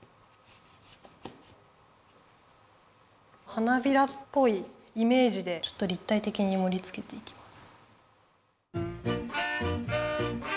花びらっぽいイメージでちょっとりったいてきにもりつけていきます。